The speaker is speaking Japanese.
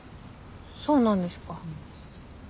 そうなんですか？